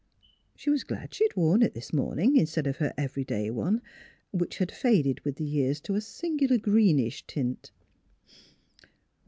She was glad she had worn it this morning, instead of her every day one, which had faded with the years to a singular greenish tint.